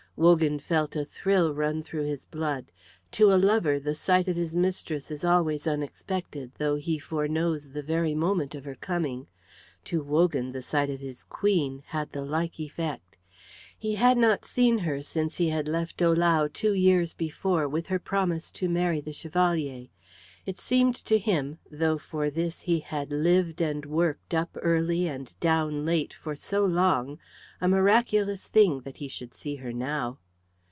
Wogan felt a thrill run through his blood. To a lover the sight of his mistress is always unexpected, though he foreknows the very moment of her coming. To Wogan the sight of his Queen had the like effect. He had not seen her since he had left Ohlau two years before with her promise to marry the Chevalier. It seemed to him, though for this he had lived and worked up early and down late for so long, a miraculous thing that he should see her now.